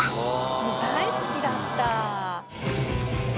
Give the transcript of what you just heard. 「もう大好きだった」